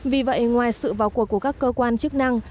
vì vậy ngoài sự vào cuộc của các cơ quan chức năng